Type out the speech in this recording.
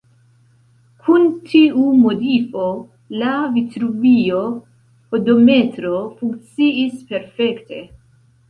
Kun tiu modifo, la Vitruvio-hodometro funkciis perfekte.